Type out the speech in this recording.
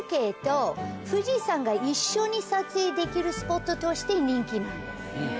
一緒に撮影できるスポットとして人気なんです。